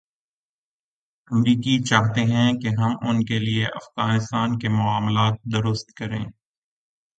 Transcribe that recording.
امریکی چاہتے ہیں کہ ہم ا ن کے لیے افغانستان کے معاملات درست کریں۔